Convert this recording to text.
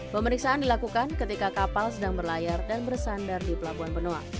pemeriksaan dilakukan ketika kapal sedang berlayar dan bersandar di pelabuhan benoa